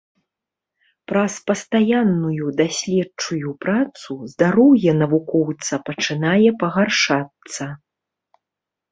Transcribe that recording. Праз пастаянную даследчую працу здароўе навукоўца пачынае пагаршацца.